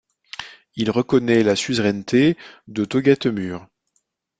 Il reconnaît la suzeraineté de Togha Temür.